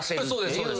そうです。